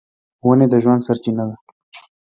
ونې د ژوند سرچینه ده.